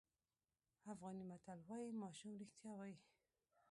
افغاني متل وایي ماشوم رښتیا وایي.